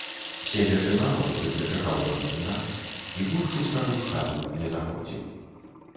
Седзячы на лаўцы, прычакаў ён дня і больш у старую хату не заходзіў.